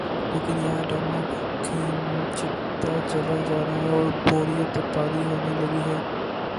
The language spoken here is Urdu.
لیکن یہاں ڈرامہ کھنچتا چلا جارہاہے اوربوریت طاری ہونے لگی ہے۔